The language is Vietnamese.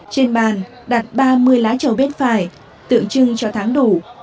trên bàn đạt ba mươi lá trầu bên phải tượng trưng cho tháng đủ